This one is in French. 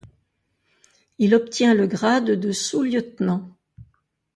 Il obtient le grade de sous-lieutenant.